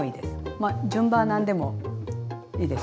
まあ順番は何でもいいです。